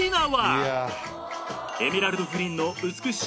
［エメラルドグリーンの］